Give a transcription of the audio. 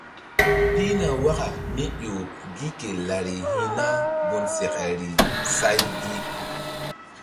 Pihna waka mí ƴo gi ke lari hi̧ na gun sekeri say gi.